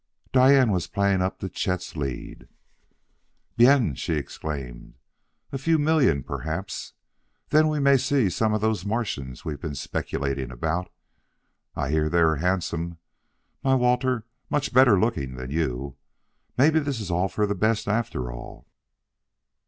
Diane was playing up to Chet's lead. "Bien!" she exclaimed. "A few million, perhaps! Then we may see some of those Martians we've been speculating about. I hear they are handsome, my Walter much better looking than you. Maybe this is all for the best after all!"